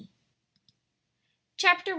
F. CHAPTER I.